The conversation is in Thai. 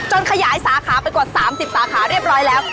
ขยายสาขาไปกว่า๓๐สาขาเรียบร้อยแล้ว